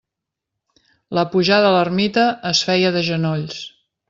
La pujada a l'ermita es feia de genolls.